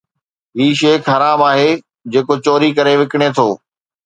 هي شيخ حرام آهي جيڪو چوري ڪري وڪڻي ٿو